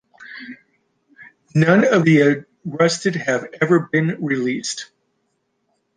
None of the arrested have ever been released.